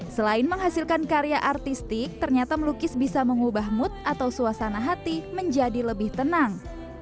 selain menghasilkan karya artistik ternyata melukis bisa mengubah mood atau suasana hati menjadi lebih tenang